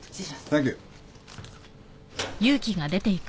サンキュー。